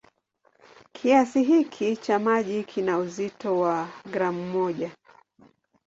Kiasi hiki cha maji kina uzito wa gramu moja.